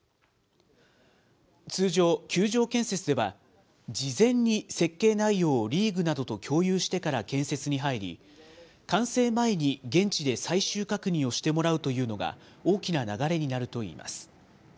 通常、球場建設では、事前に設計内容をリーグなどと共有してから建設に入り、完成前に現地で最終確認をしてもらうというのが、大きな流れになるといいます。